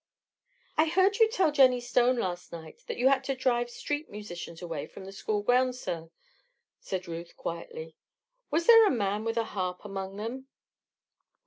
"I heard you tell Jennie Stone last night that you had to drive street musicians away from the school grounds, sir?" said Ruth, quietly. "Was there a man with a harp among them?"